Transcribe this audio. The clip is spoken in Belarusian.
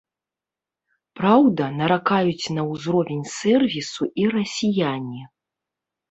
Праўда, наракаюць на ўзровень сэрвісу і расіяне.